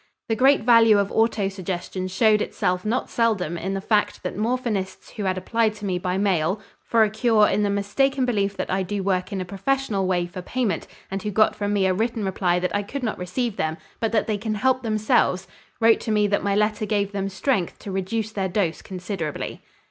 The great value of autosuggestion showed itself not seldom in the fact that morphinists who had applied to me by mail for a cure in the mistaken belief that I do work in a professional way for payment and who got from me a written reply that I could not receive them, but that they can help themselves, wrote to me that my letter gave them strength to reduce their dose considerably.